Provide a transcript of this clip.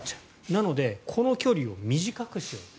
なのでこの距離を短くしようと。